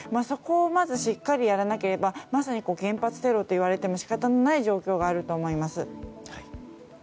そこをまずしっかりやらなければまさに原発テロといわれても仕方のない状況があると思います。